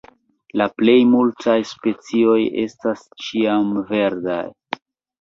La plej multaj specioj estas ĉiamverdaj.